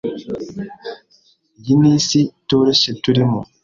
Iyi ni isi itoroshye turimo.